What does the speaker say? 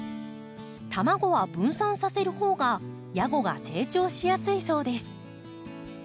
卵は分散させるほうがヤゴが成長しやすいそうです。